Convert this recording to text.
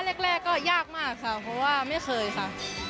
แรกก็ยากมากค่ะเพราะว่าไม่เคยค่ะ